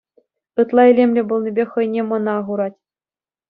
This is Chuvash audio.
Ытла илемлӗ пулнипе хӑйне мӑна хурать.